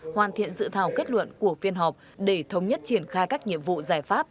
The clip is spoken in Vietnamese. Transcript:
hoàn thiện dự thảo kết luận của phiên họp để thống nhất triển khai các nhiệm vụ giải pháp